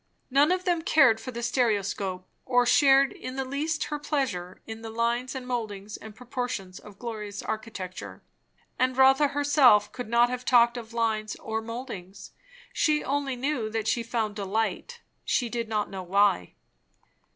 None of them cared for the stereoscope, or shared in the least her pleasure in the lines and mouldings and proportions of glorious architecture. And Rotha herself could not have talked of lines or mouldings; she only knew that she found delight; she did not know why.